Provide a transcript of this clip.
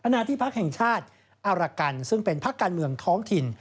หน้าที่พักแห่งชาติอารกันซึ่งเป็นพักการเมืองท้องถิ่น